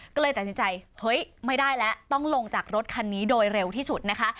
ก็เลยตัดสินใจเฮ้ยไม่ได้แล้วต้องลงจากรถคันนี้โดยเร็วที่สุดนะคะ